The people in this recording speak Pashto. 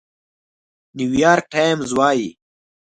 نيويارک ټايمز وايي،